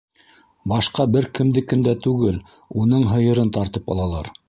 Башҡа бер кемдекен дә түгел, уның һыйырын тартып алалар.